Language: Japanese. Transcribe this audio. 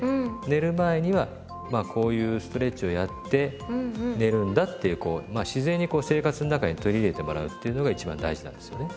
寝る前にはこういうストレッチをやって寝るんだっていう自然にこう生活の中に取り入れてもらうっていうのが一番大事なんですよね。